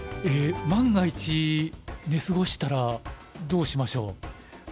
えっ万が一寝過ごしたらどうしましょう？